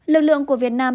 lực lượng của việt nam